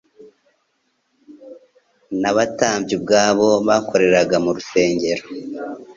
N'abatambyi ubwabo bakoreraga mu rusengero,